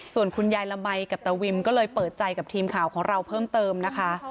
ส่วนคุณยายละมัยกับตาวิมก็เลยเปิดใจกับทีมข่าวของเราเพิ่มเติมนะคะ